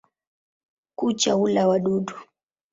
Kucha hula wadudu.